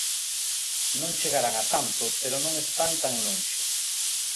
Non chegarán a tanto pero non están tan lonxe.